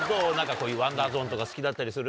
こういうワンダーゾーンとか好きだったりする？